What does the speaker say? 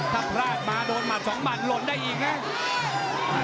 ถ้าพลาดมาโดนหมัดสองหมัดหล่นได้อีกนะ